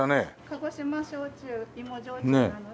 鹿児島焼酎芋焼酎なので。